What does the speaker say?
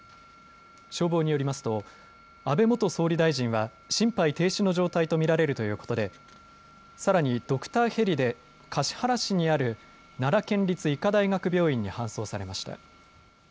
消防によりますと安倍元総理大臣は心肺停止の状態と見られるということでさらにドクターヘリで橿原市にある奈良県立医科大学病院に搬送されました。